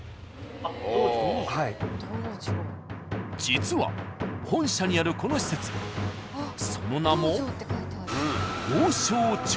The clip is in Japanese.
実は本社にあるこの施設その名も。